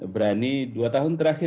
berani dua tahun terakhir